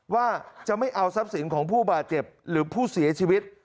ว่าจะไม่เอาทรัพย์สินของผู้บาดเจ็บหรือผู้เสียชีวิต